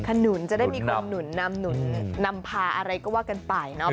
ขนุนจะได้มีคนหนุนนำหนุนนำพาอะไรก็ว่ากันไปเนาะ